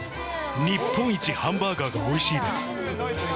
日本一ハンバーガーがおいしいです。